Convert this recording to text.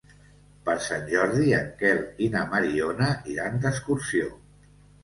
Per Sant Jordi en Quel i na Mariona iran d'excursió.